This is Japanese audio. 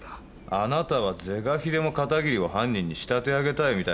あなたは是が非でも片桐を犯人に仕立て上げたいみたいだけど。